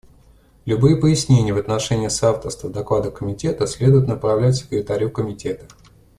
Любые пояснения в отношении соавторства в докладах Комитета следует направлять Секретарю Комитета.